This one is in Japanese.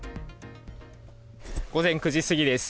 午前９時過ぎです。